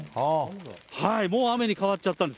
もう雨に変わっちゃったんです。